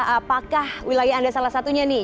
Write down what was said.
apakah wilayah anda salah satunya nih